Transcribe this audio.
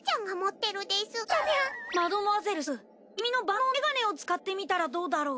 マドモアゼルすう君の万能なメガネを使ってみたらどうだろう？